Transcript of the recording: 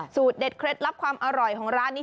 เด็ดเคล็ดลับความอร่อยของร้านนี้